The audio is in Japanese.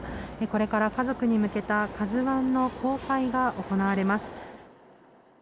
これから家族に向けた「ＫＡＺＵ１」の公開が行われます。